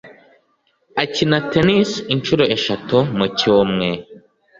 Akina tennis inshuro eshatu mu cyumwer.